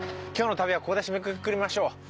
今日の旅はここで締めくくりましょう。